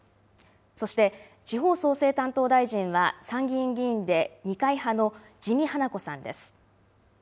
そして地方創生担当大臣は参議院議員で二階派の自見英子さんです。